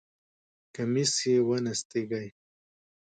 کمیس یې ونستېږی!